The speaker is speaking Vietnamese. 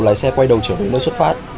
lái xe quay đầu chở đến nơi xuất phát